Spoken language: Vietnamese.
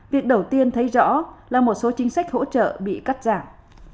việc đầu tiên thấy rõ là một số chính sách hỗ trợ bị cắt giảm